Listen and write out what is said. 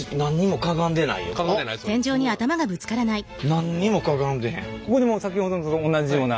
何にもかがんでへん。